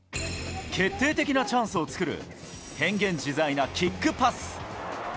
決定的なチャンスを作る、変幻自在なキックパス。